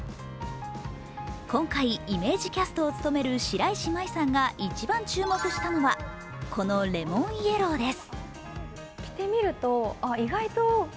今回、イメージキャストを務める白石麻衣さんが一番注目したのは、このレモンイエローです。